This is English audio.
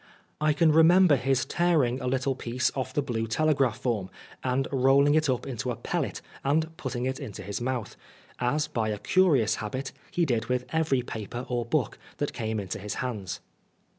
I can remember his tearing a little piece off the blue telegraph form and rolling it up into a pellet and putting it into his mouth, as, by a curious habit, he did with every paper or book that came into his hands.